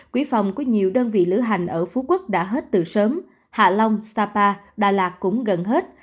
quý phòng của nhiều đơn vị lữ hành ở phú quốc đã hết từ sớm hạ long sapa đà lạt cũng gần hết